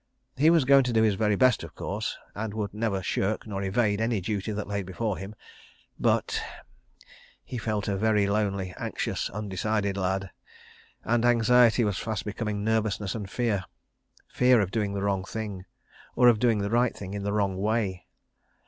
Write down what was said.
... He was going to do his very best, of course, and would never shirk nor evade any duty that lay before him—but—he felt a very lonely, anxious, undecided lad, and anxiety was fast becoming nervousness and fear—fear of doing the wrong thing, or of doing the right thing in the wrong way.